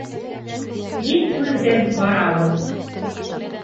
— Һис һүҙһеҙ барабыҙ.